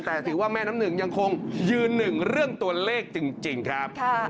แต่ถือว่าแม่น้ำหนึ่งยังคงยืนหนึ่งเรื่องตัวเลขจริงครับ